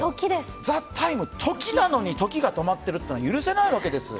「ＴＨＥＴＩＭＥ，」、時なのに時が止まっているなんて許せないです。